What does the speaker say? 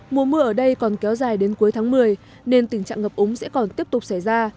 mùa mưa ở đây còn kéo dài đến cuối tháng một mươi nên tình trạng ngập úng sẽ còn tiếp tục xảy ra